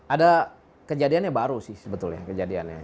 ada kejadian yang baru sih sebetulnya kejadiannya